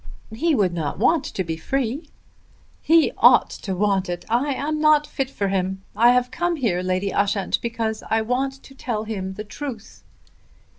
"He would not want to be free." "He ought to want it. I am not fit for him. I have come here, Lady Ushant, because I want to tell him the truth."